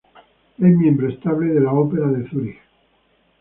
Es miembro estable de la Ópera de Zúrich.